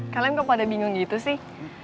kalian kok pada bingung gitu sih